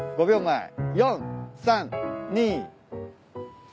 ５秒前４３２。